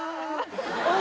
おい！